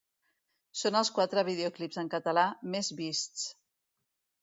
Són els quatre videoclips en català més vists.